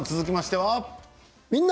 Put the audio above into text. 「みんな！